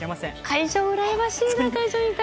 会場、うらやましいな。